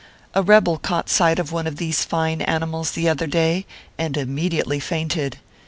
A rebel caught sight of one of these fine ani mals, the other day, and immediately fainted.